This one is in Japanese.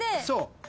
そう！